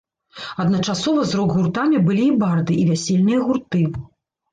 Адначасова з рок-гуртамі былі і барды, і вясельныя гурты.